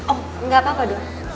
oh enggak apa apa dong